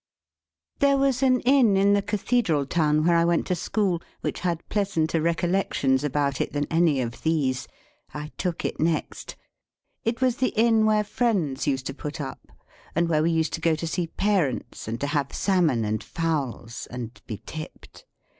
There was an Inn in the cathedral town where I went to school, which had pleasanter recollections about it than any of these. I took it next. It was the Inn where friends used to put up, and where we used to go to see parents, and to have salmon and fowls, and be tipped.